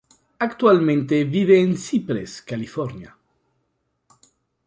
Actualmente vive en Cypress, California.